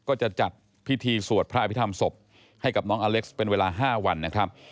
ก็จะจัดพิธีสวดพระอภิษฐรรมศพให้กับน้องอเล็กซ์เป็นเวลา๕วันนะครับ